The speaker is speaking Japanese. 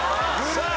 さあ。